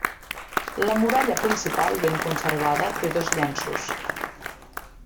La muralla principal, ben conservada, té dos llenços.